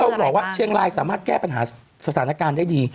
บอกว่าเชียงรายสามารถแก้ปัญหาสถานการณ์ได้ดี